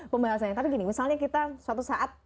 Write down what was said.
pembahasannya tapi gini misalnya kita suatu saat